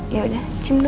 yaudah cium dulu